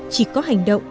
chỉ có hành động